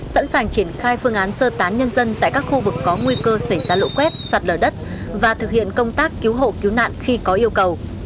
sẵn sàng triển khai phương án sơ tán nhân dân tại các khu vực có nguy cơ xảy ra lũ quét sạt lở đất và thực hiện công tác cứu hộ cứu nạn khi có yêu cầu